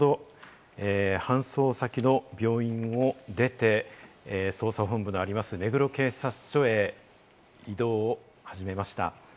市川猿之助容疑者ですけれども、先ほど搬送先の病院を出て、捜査本部のあります目黒警察署へ移動を始めました。